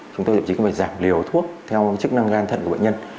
chúng ta chỉ cần phải giảm liều thuốc theo chức năng gan thận của bệnh nhân